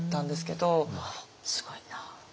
すごいな。